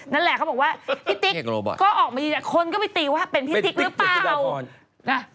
นั่นแหละเขาบอกว่าพี่ติ๊กก็ออกมายืนยันคนก็ไปตีว่าเป็นพี่ติ๊กหรือเปล่า